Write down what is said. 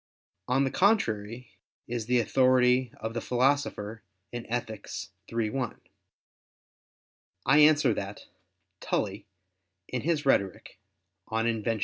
On the contrary is the authority of the Philosopher in Ethic. iii, 1. I answer that, Tully, in his Rhetoric (De Invent.